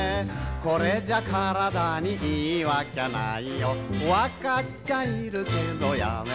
「これじゃ身体にいいわきゃないよ分っちゃいるけどやめられねぇ」